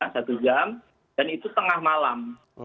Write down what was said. satu jam dan itu tengah malam